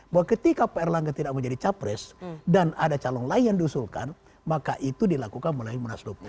bahwa ketika pak erlangga tidak menjadi capres dan ada calon lain yang diusulkan maka itu dilakukan melalui munaslup